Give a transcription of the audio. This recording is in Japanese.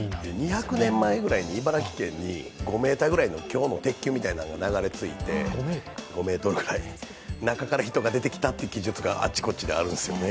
２００年前くらいに茨城県に５ｍくらいの今日の鉄球みたいのが流れ着いて、中から人が出てきたという記述があちこちであるんですよね。